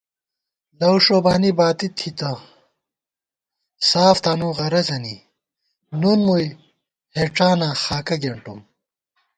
لَؤ ݭوبانی باتی تھِتہ ساف تانُو غرَضَنی، نُن مُوئی ہېڄاناں خاکہ گېنٹُم